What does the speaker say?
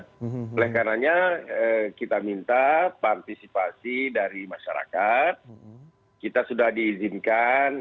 dari seratus beresiko ya oleh karena nya kita minta partisipasi dari masyarakat kita sudah diizinkan